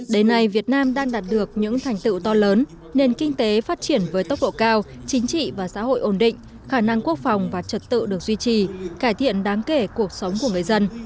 đến nay việt nam đang đạt được những thành tựu to lớn nền kinh tế phát triển với tốc độ cao chính trị và xã hội ổn định khả năng quốc phòng và trật tự được duy trì cải thiện đáng kể cuộc sống của người dân